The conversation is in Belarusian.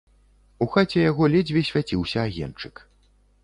У хаце яго ледзьве свяціўся агеньчык.